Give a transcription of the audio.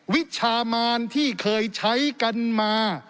วิชามานที่เคยใช้กันมา